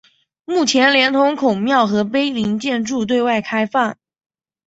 目前连同孔庙和碑林建筑对外开放。